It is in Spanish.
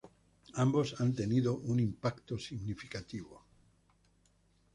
Ambos han tenido un impacto significativo.